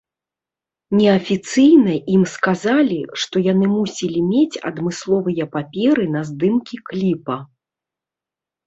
Неафіцыйна ім сказалі, што яны мусілі мець адмысловыя паперы на здымкі кліпа.